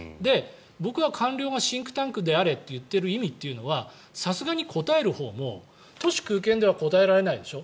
僕は官僚がシンクタンクであれと言っている意味というのはさすがに答えるほうも徒手空拳では答えられないでしょ。